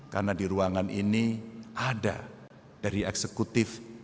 karena di ruangan ini ada dari eksekutif